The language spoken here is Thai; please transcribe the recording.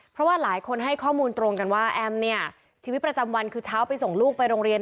เพราะว่าหลายคนให้ข้อมูลตรงกันว่าแอมเนี่ยชีวิตประจำวันคือเช้าไปส่งลูกไปโรงเรียน